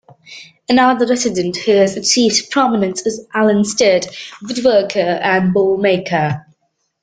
Another resident who has achieved prominence is Alan Stirt, woodworker and bowlmaker.